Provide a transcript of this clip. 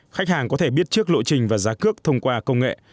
khách hàng có thể biết trước lộ trình và giá cước thông qua công nghệ